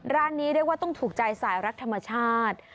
ร้านนี้เรียกว่าต้องถูกใจสายรักธรรมชาติ